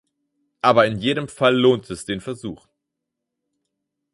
Aber in jedem Fall lohnt es den Versuch.